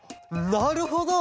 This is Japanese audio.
なるほど！